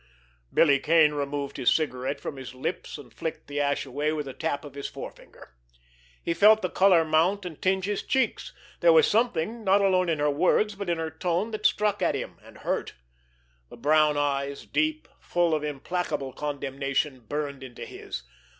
Billy Kane removed his cigarette from his lips, and flicked the ash away with a tap of his forefinger. He felt the color mount and tinge his cheeks. There was something, not alone in her words, but in her tone, that struck at him and hurt. The brown eyes, deep, full of implacable condemnation, burned into his.